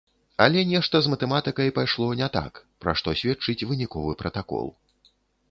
Але нешта з матэматыкай пайшло не так, пра што сведчыць выніковы пратакол.